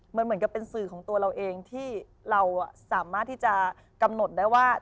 มันเหมือนกับเป็นสื่อของตัวเราเองที่เราสามารถที่จะกำหนดได้ว่า